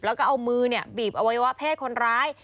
แล้วก็เอามือบีบอวัยวะเพศคนร้าย